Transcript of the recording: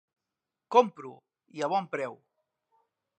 Compro, i a bon preu.